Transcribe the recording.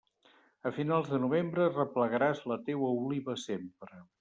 A finals de novembre, replegaràs la teua oliva sempre.